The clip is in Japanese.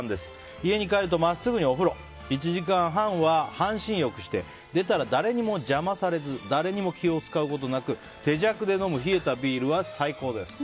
家に帰ると真っすぐにお風呂１時間半は半身浴して出たら、誰にも邪魔されず誰にも気を使うことなく手酌で飲む冷えたビールは最高です。